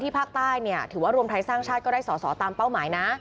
ภาคใต้เนี่ยถือว่ารวมไทยสร้างชาติก็ได้สอสอตามเป้าหมายนะ